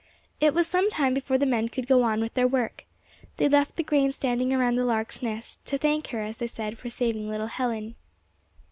It was some time before the men could go on with their work. They left the grain standing around the lark's nest, to thank her, as they said, for saving little Helen.